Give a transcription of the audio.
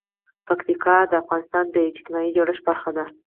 پکتیکا د افغانستان د اجتماعي جوړښت برخه ده.